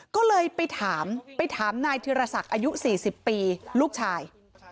ก็เลยไปถามไนท์ธรสักอายุ๔๐ปีลูกชาย